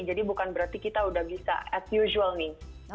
jadi bukan berarti kita udah bisa as usual nih